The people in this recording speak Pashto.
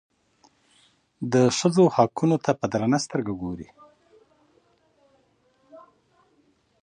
د ښځې حقونو ته په درنه سترګه وګوري.